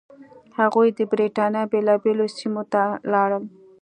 هغوی د برېټانیا بېلابېلو سیمو ته لاړل.